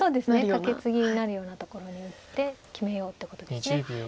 カケツギになるようなところに打って決めようってことです。